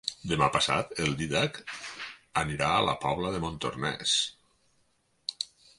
Demà passat en Dídac irà a la Pobla de Montornès.